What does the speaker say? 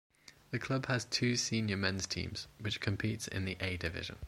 The club has two senior men's teams which competes in the A division.